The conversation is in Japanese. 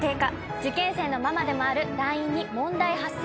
受験生のママでもある団員に問題発生！